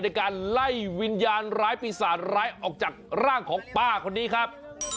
ในการไล่วิญญาณร้ายปีศาจร้ายออกจากร่างของป้าคนนี้ครับ